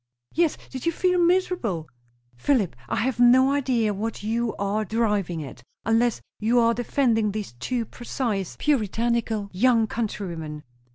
"Yes. Did you feel miserable?" "Philip, I have no idea what you are driving at, unless you are defending these two precise, puritanical young country women."